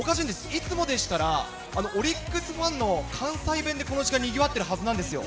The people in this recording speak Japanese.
いつもでしたら、オリックスファンの関西弁でこの時間、にぎわっているはずなんですよ。